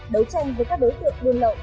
đấu tranh với các đối tượng buôn lậu